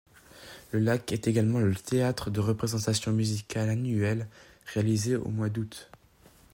Le lac est également le théâtre de représentations musicales annuelles réalisées au mois d'août.